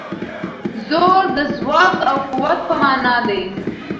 زور د ځواک او قوت په مانا دی.